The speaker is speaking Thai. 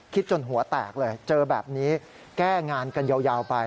จนหัวแตกเลยเจอแบบนี้แก้งานกันยาวไป